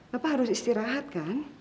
bapak harus istirahat kan